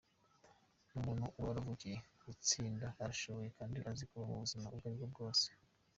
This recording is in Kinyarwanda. Ni umuntu uba waravukiye gutsinda, arashoboye kandi azi kuba mu buzima ubwo aribwo bwose.